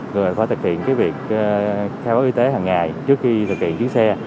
người phải thực hiện cái việc theo báo y tế hằng ngày trước khi thực hiện chiếc xe